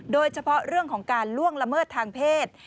โดยเฉพาะเรื่องของการล่วงละเมิดทางเพศ